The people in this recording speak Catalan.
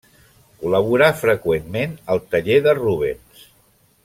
Col·laborà freqüentment al taller de Rubens.